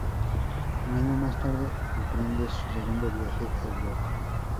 Un año más tarde emprende su segundo viaje a Europa.